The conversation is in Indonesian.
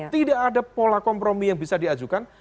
tidak ada pola kompromi yang bisa diajukan